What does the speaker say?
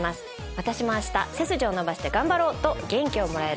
私もあした背筋を伸ばして頑張ろう！と元気をもらえる